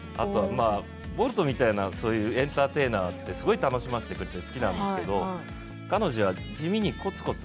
ボルトみたいなエンターテイナーってすごく楽しませてくれて好きなんですけど彼女が地味にこつこつ